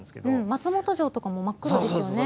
松本城とかも真っ黒ですよね。